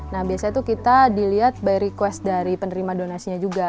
nah biasanya itu kita dilihat by request dari penerima donasinya juga